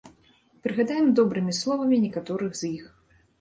Прыгадаем добрымі словамі некаторых з іх.